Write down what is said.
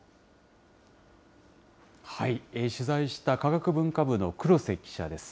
取材した科学文化部の黒瀬記者です。